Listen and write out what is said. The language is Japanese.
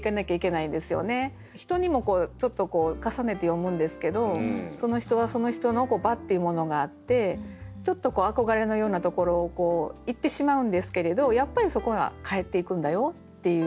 人にもちょっとこう重ねて読むんですけどその人はその人の場っていうものがあってちょっと憧れのようなところを行ってしまうんですけれどやっぱりそこには帰っていくんだよっていう。